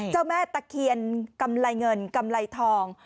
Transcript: เจ้าแม่ตะเคียนกำไรเงินกำไรทอง